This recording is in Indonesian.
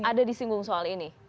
ada disinggung soal ini